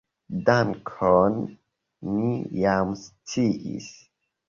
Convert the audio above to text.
Dankon, ni jam sciis.